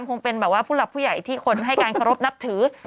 คงเป็นแบบว่าผู้หลักผู้ใหญ่ที่คนให้การเคารพนับถือ